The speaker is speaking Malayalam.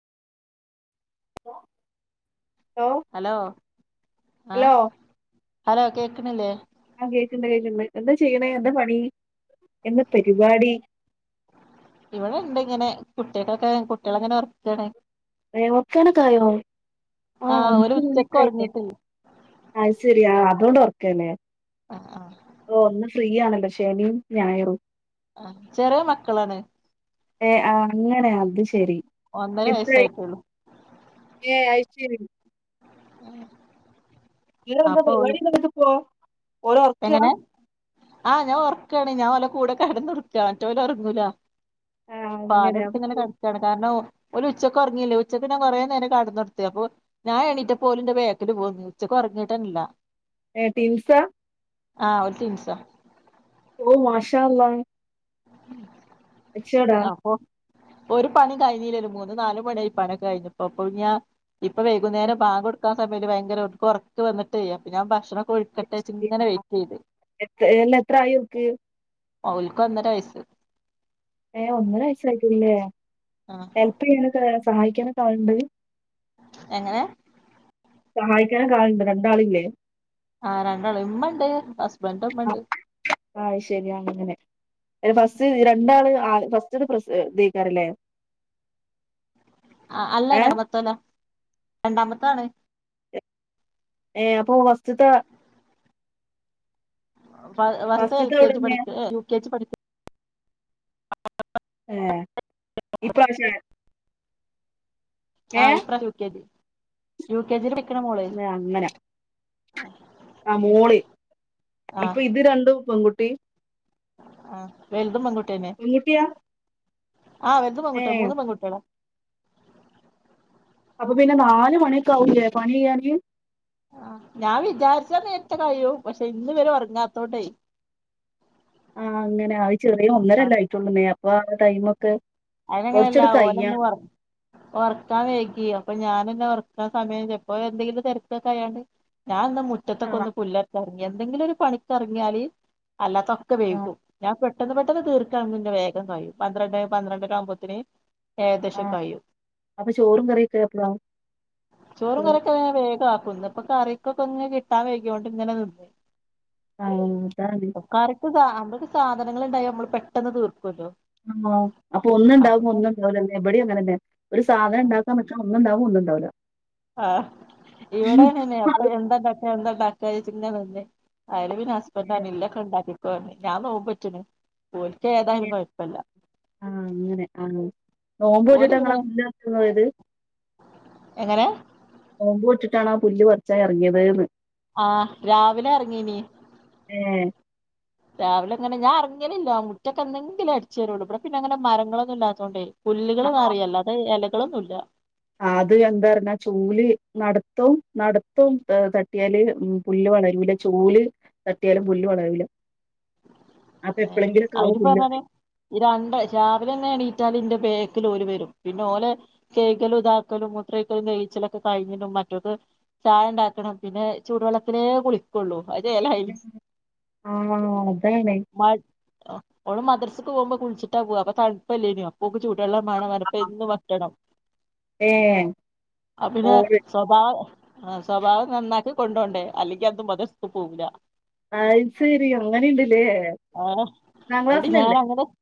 ആ ഹലോ ആഹ് ഹലോ ഹലോ കേക്കണില്ലേ ആഹ് കേക്കുണ്ട് കേക്കുണ്ട് എന്താ ചെയ്യണേ എന്താ പണി എന്ന പരിപാടി കുട്ടികൾക്കെ കുട്ടികൾ അങ്ങനെ ഒർക്കാണ് അയേ ഒർക്കാനൊക്കായോ ആ ആഹ് ഓല് ഒമ്പത് ഉച്ചക്ക് മണിയക്കയില്ലേ ഒറങ്ങിട്ടില്ല അത് ശരിയാ അതൊണ്ട് ഉറ ക്കനെ ആ ആ ഫ്രീയാണല്ലോ ശനീം ഞായറും ആ ചെറിയ മക്കളാണ് ഏ ആ അങ്ങനെ അത് ശരി ഒന്നര എത്രായി വയസായിട്ടുള്ളു ഏ ഐശെരി ആ ഇവറന്താ പര് വാടി ദിവസപോ എങ്ങനെ ആ ഞാഒർക്ക ന്നേ ഞാൻഓലകൂടെ കെടന്നൊട്ക്കാ മറ്റോ ഓലൊർങ്ങൂല ആ അങ്ങനെ പാലെടുത്ത് ഇങ്ങനെ അപ്പൊ കെട്ക്കേണ് കാരണം ഓ ഒന് ഉച്ചക്ക് ഉറങ്ങില്ല ഉച്ചക്ക് ഞാൻ കൊറേനേരം കടന്നൊട്ത്ത് അപ്പൊ ഞാഎണീറ്റപ്പൊ ഓല് എന്റെബേക്കില് പോന്ന് ഉച്ചക്ക്ഒറങ്ങിട്ടനല്ല ഏ റ്റിംങ്സ ആഹ് ഓല് ട്ടിൻസാ ഓ മാഷാഅല്ലാഹ് അച്ചോടാ ഒറുപണീം കഴിഞ്ഞീലല്ലോ മൂന്ന് നാലു മണിയായ് പണിഒക്കെകഴിഞ്ഞപ്പോ അപ്പൊ ഞ്ഞാ ഇപ്പ വൈകുന്നേരം ബാകൊടുക്കാ സമയല് ഭയങ്കരർക്ക്ഒർക്ക് വന്ന്ട്ടേ അപ്പ ഞാൻഭക്ഷണം എത്ര ഏഹ് എത്രായിഓൽക്ക് ഓൽക്ക് ഒന്ന് റ്റവയ്സ് ഏ ഒന്നര വയസായിട്ടുല്ലേ ആഹ് ഹെൽപ് ചെയ്യാനൊക്കെ ആ സഹായിക്കാനൊക്കെആൾണ്ട് എങ്ങനെ സഹായിക്കാനൊക്കെ ആൾണ്ടോ രണ്ടാളില്ലേ ആഹ രണ്ടാള് ഉമ്മണ്ട് ഹസ്ബന്റ ആ ഉമ്മണ്ട് അയ്ല് ഫസ്റ്റ് രണ്ടാൾ [unintelligible] ഫസ്റ്റ്ത്തെ പ്രസവ ഇതേക്കരെല ആഹ് അല്ല രണ്ടാമത്തോലെ രണ്ടാമത്താണ് ഏ അപ്പൊ ഫസ്റ്റ്ത്ത വർ വർത് എൽ കെ ജി പഠിക്ക ഏഹ് ഇപ്രാശ ആഹ് ഇപ്രാഷം യുകെജി യുകെജില് പ അങ്ങനെ ആ മോള് ഇപ്പൊ ആഹ് ഇത് രണ്ടും പെൺകു പി ആഹ് വെൽതും പെൺകു അനിയത്ത്യാ ആ വെല്തു പെൺകുട്ട്യ മൂന്ന് പെൺകുട്ട്യേളാ അപ്പൊ പിന്നെ നാല് മണിയൊക്കാവു ലെ പണി യ്യാന് ഞാൻ വിചാരിച്ച നേർത്തെ കയും പക്ഷെ ഇന്ന് ഇവര് ഒറങ്ങാത്തോണ്ടേ ആഹ് അങ്ങനെ ആയി ചെറിയ ഒന്നരല്ലയിട്ടുള്ളൂ നേ ഓ അയ്നങ്ങനല്ല ഓന ന്ന് കയ്യണം ഒറ്ക്കാൻ വൈകി അപ്പൊ ഞാനന്നെ ഒർ എത്ര സമയംപ്പോ എന്തെങ്കിലും തെർക്കെക്കെ അയാണ്ട് ഞാന്ന് ആ മുറ്റത്തൊക്കൊന്ന് പുല്ലറക്ക എന്തെങ്കിലൊരു പണിക്കറ് ങ്ങ്യാല് അല്ലാത്തൊക്കെ ആ വേവിക്കും ഞാൻ പെ- പെട്ടന്ന് പെട്ടന്ന് തീർക്കാണിന്റെ വേഗം കയ്യും പന്ത്രണ്ടെ പന്ത്രണ്ടരാഉമ്പോത്തിനി ആ ഏകദേശം കയ്യും അപ്പൊ ചോറും കറിയൊക്കെ എപ്പളാ ചോറും കറിക്കെ ഞാ വേഗമാക്കും ഇന്ന് ഇപ്പം കറിക്കൊക്കെന്ന് കിട്ടാൻ വൈകോണ്ട് ഇങ്ങനെ നിന്ന് ആ അതാണ് കറിക്ക് സാ [unintelligible] അവർക്ക് സാധനങ്ങൾ ഇണ്ടായാമ്മൾ പെട്ടെന്ന് തീർക്കുല്ലോ ആഹ് അപ്പൊ ഒന്ന് ഇണ്ടാവുമ്പൊഒന്ന്ഉണ്ടാവൂലലെ ഇബടെം അങ്ങനെന്നെ ഒരു സാധനം ഉണ്ടാക്കാൻ പറ്റണെ ഒന്ന ഇണ്ടാവ് പൂണ്ട്ണ്ടാവു ല ആഹ് ഇവടെ അങ്ങന ഇപ്പന്താണ്ടാക്ക എന്താണ്ടാക്ക കഴിച്ചിന്ന തന്നെ അയ്ല് പിന്നെ ഹസ്ബൻറ്ഞ്ഞ് ഇന്നക്കെണ്ടാക്കി ഞാൻ നോമ്പോറ്റ്ണ് ഓൽക്ക് ഏതായാലും കൊഴപ്പല്ല ഓല് നോമ്പോറ്റ്ട്ടാ നിങ്ങള് പിന്നെ മുന്നപോയത് എങ്ങനെ നോമ്പോറ്റ്ട്ടാണോ ആ പൂല്ല് പറിച്ചാൻ ഇറങ്ങിയത് ന്ന് ആ രാവിലെ ഇറങ്ങീനി ഏ രാവിലെ അങ്ങനെ ഞാൻ എർങ്ങലില്ലാ മുറ്റ എന്നെങ്കിലും അടിച്ചു വാരുള്ളൂ ഇവിടെ പിന്നെങ്ങനെ മരങ്ങളൊന്നുംല്ലാതൊണ്ടേ ആ പുല്ലുകള് നറിയല്ലോ അത് ഇല മക്കളൊന്നുല്ല അത് എന്താ പറഞ്ഞാ ചൂല് നടത്തും നടത്തും തട്ടിയാല് പുല്ല് വളരൂല ചൂല് തട്ടിയാലും പുല്ല് വളരൂല അപ്പൊ എപ്പളെങ്കിലൊക്കെ ആവും അവര് പുല്ല് പറഞ്ഞാല് വളരും. ഈ രണ്ട് രാവിലെ ഒന്ന് എണീറ്റാൽ ൻ്റെ ബേക്കിൽ ഓര് വരും പിന്നെ ഓലെ കേകലും ഇതാക്കലും മുത്ര ഒയിക്കലും തേച്ചലൊക്കെ കഴിഞ്ഞിട്ടും മറ്റൊക്കെ ചായ ഉണ്ടാക്കണം പിന്നെ ചൂടുവെള്ളത്തിലേ കുളിക്കുള്ളൂ ആ ലേ മാ ഒളു മതർസ് ക്ക് പോകുമ്പോ കുളിച്ചിട്ടാ പോക അപ്പ തണുപ്പല്ലേനോ ഇപ്പൊ ഓൾക്ക് ചൂടു വെളളം മാണം പറഞ്ഞ് ഇപ്പൊ എന്നും വെക്കണം ഏ ആഹ് പിന്നെ ഓള് സ്വഭാവം ആഹ് സ്വഭാവം നന്നാക്കി കൊണ്ട്പോണ്ടേ അല്ലെങ്കി അന്ന് മതർസ്ക്ക് പോകില്ല അത് സരി അങ്ങനെയുണ്ടല്ലേ ആഹ് ഒന്നാം എന്നിട്ട് ഞാൻ ക്ലാസിലല്ലേ അങ്ങനെ